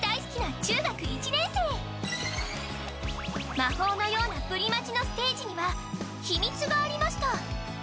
魔法のようなプリマジのステージには秘密がありました。